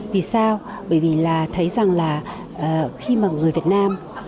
vì sao bởi vì là thấy rằng là khi mà người việt nam